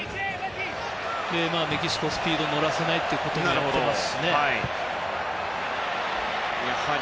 メキシコ、スピードに乗らせないということもやっていますし。